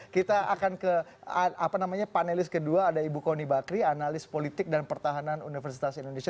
kita akan ke panelis kedua ada ibu kony bakri analis politik dan pertahanan universitas indonesia